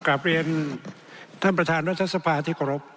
กลับเรียนท่านประธานรัฐสภาที่เคารพ